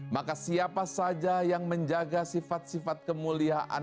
maka siapa saja yang menjaga sifat sifat kemuliaan